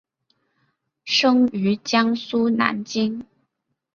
生于江苏南京。